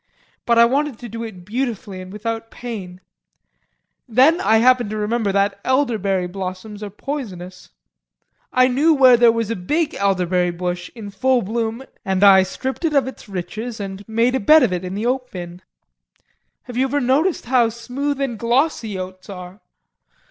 But I wanted to do it beautifully and without pain. Then I happened to remember that elderberry blossoms are poisonous. I knew where there was a big elderberry bush in full bloom and I stripped it of its riches and made a bed of it in the oat bin. Have you ever noticed how smooth and glossy oats are?